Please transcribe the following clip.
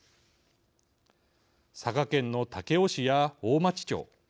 佐賀県の武雄市や大町町